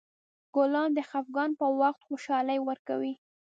ګلان د خفګان په وخت خوشحالي ورکوي.